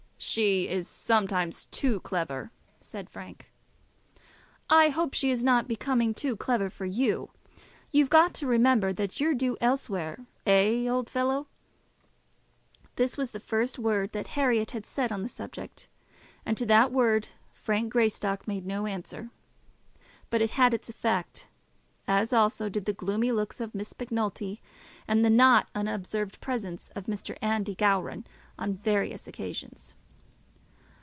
"She is sometimes too clever," said Frank. "I hope she is not becoming too clever for you. You've got to remember that you're due elsewhere; eh, old fellow?" This was the first word that Herriot had said on the subject, and to that word Frank Greystock made no answer. But it had its effect, as also did the gloomy looks of Miss Macnulty, and the not unobserved presence of Mr. Andy Gowran on various occasions.